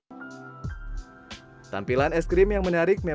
mungkin salah satunya adalah mengkonsumsi es krim